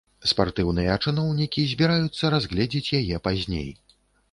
Спартыўныя чыноўнікі збіраюцца разгледзець яе пазней.